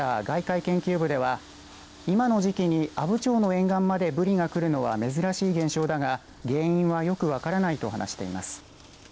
外海研究部では今の時期に阿武町の沿岸までブリが来るのは珍しい現象だが原因は、よく分からないと話しています。